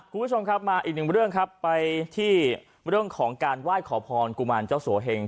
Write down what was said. คุณผู้ชมครับมาอีกหนึ่งเรื่องครับไปที่เรื่องของการไหว้ขอพรกุมารเจ้าสัวเหง